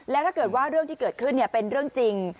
แล้วถ้าเกิดว่าเรื่องที่เกิดขึ้นเป็นเรื่องจริง